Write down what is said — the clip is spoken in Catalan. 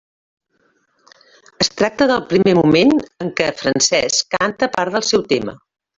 Es tracta del primer moment en què Francesc canta part del seu tema.